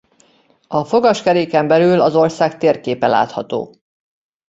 A fogaskeréken belül az ország térképe látható.